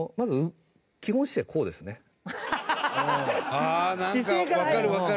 ああなんかわかるわかる。